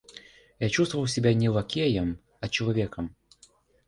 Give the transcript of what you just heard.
Я чувствовал себя не лакеем, а человеком.